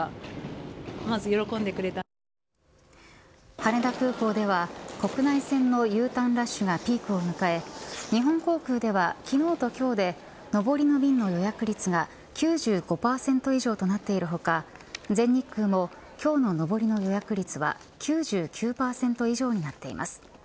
羽田空港では国内線のＵターンラッシュがピークを迎え日本航空では、昨日と今日で上りの便の予約率が９５％以上となっている他全日空も今日の上りの予約率は９９％以上になっています。